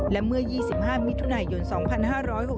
และเมื่อ๒๕มิถุนายน๒๕๖๖